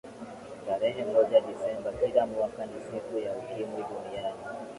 tarehe moja desemba kila mwaka ni siku ya ukimwi duniani